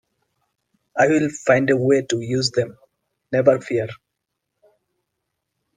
I'll find a way to use them, never fear!